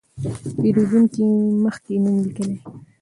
پېرېدونکي مخکې نوم لیکي.